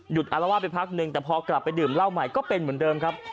อารวาสไปพักนึงแต่พอกลับไปดื่มเหล้าใหม่ก็เป็นเหมือนเดิมครับ